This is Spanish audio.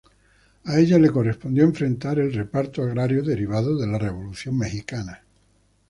A ella le correspondió enfrentar el reparto agrario derivado de la Revolución mexicana.